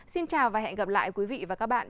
xin chào và hẹn gặp lại quý vị và các bạn